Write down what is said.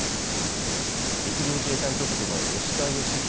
陸上自衛隊トップの吉田圭秀